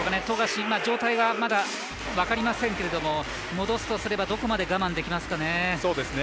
富樫、状態はまだ分かりませんけれども戻すとすればどこまで我慢できますかね。